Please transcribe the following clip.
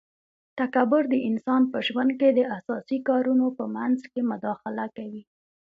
تکبر د انسان په ژوند کي د اساسي کارونو په منځ کي مداخله کوي